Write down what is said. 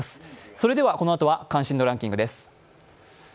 それではこのあとは関心度ランキングです。